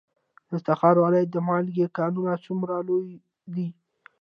د تخار ولایت د مالګې کانونه څومره لوی دي؟